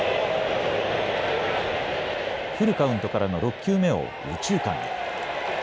フルカウントからの６球目を右中間へ。